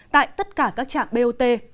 tại tất cả các trạm bot